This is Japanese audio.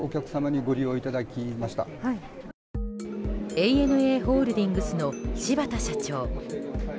ＡＮＡホールディングスの芝田社長。